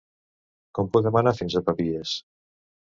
Com podem anar fins a Pavies?